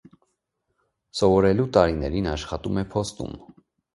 Սովորելու տարիներին աշխատում է փոստում։